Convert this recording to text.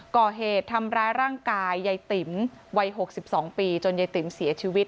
ก่อเหตุทำร้ายร่างกายยายติ๋มวัย๖๒ปีจนยายติ๋มเสียชีวิต